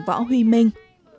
võ huy minh